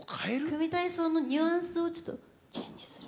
組み体操のニュアンスをちょっとチェンジする。